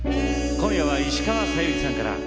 今夜は石川さゆりさんから。